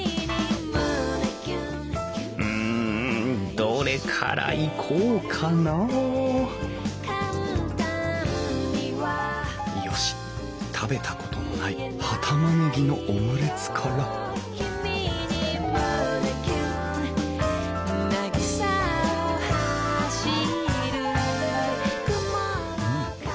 うんどれからいこうかなあよし食べたことのない葉たまねぎのオムレツからうん。